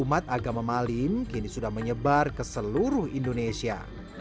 umat agama malim kini sudah menyebar ke seluruh indonesia